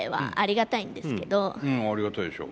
ありがたいでしょ？